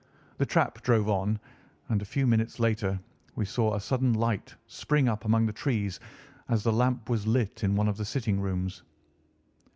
The trap drove on, and a few minutes later we saw a sudden light spring up among the trees as the lamp was lit in one of the sitting rooms.